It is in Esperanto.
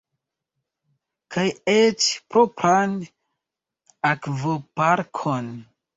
Kaj eĉ propran akvoparkon!